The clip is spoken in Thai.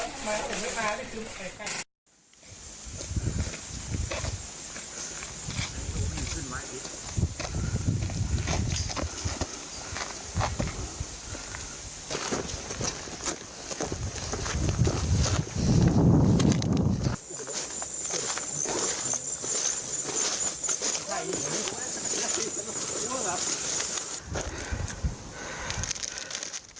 ปลูกพืชไกลอะไรต่างนะครับแต่เขาจะมีบ้านด้านล่างนะฮะ